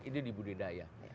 itu di budidaya